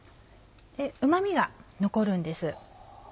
うま味が残るんです。